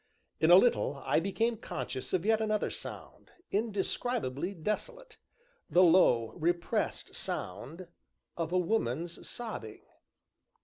In a little, I became conscious of yet another sound, indescribably desolate: the low, repressed sound of a woman's sobbing.